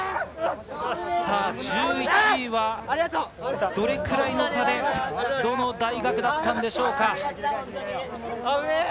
１１位はどれくらいの差でどの大学だったのでしょうか。